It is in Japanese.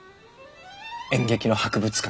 演劇の博物館。